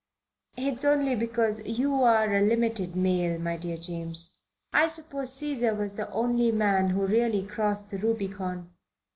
"It's only because you're a limited male, my dear James. I suppose Caesar was the only man who really crossed the Rubicon.